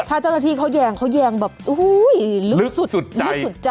ถ้าเจ้าหน้าที่เขาแยงเขาแยงแบบอุ้ยลึกสุดลึกสุดใจ